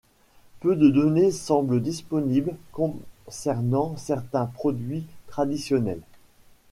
Peu de données semblent disponibles concernant certains produits traditionnels.